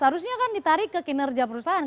harusnya kan ditarik ke kinerja perusahaan